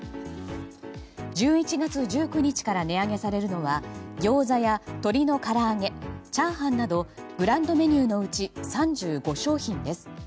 １１月１９日から値上げされるのは餃子や鶏の唐揚げ、炒飯などグランドメニューのうち３５商品です。